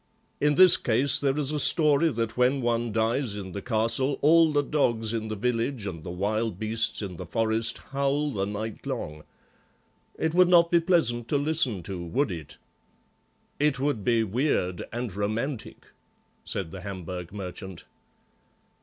In this case there is a story that when any one dies in the castle all the dogs in the village and the wild beasts in forest howl the night long. It would not be pleasant to listen to, would it?" "It would be weird and romantic," said the Hamburg merchant.